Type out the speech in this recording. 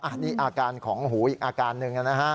อันนี้อาการของหูอีกอาการหนึ่งนะฮะ